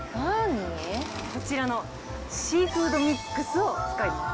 こちらの、シーフードミックスを使います。